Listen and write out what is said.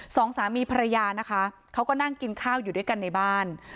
สองสามีภรรยานะคะเขาก็นั่งกินข้าวอยู่ด้วยกันในบ้าน